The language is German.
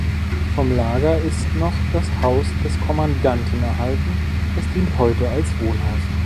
Vom Lager ist noch das Haus des Kommandanten erhalten, es dient heute als Wohnhaus.